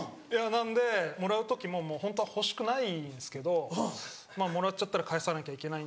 なのでもらう時ももうホントは欲しくないんですけどまぁもらっちゃったら返さなきゃいけないんで。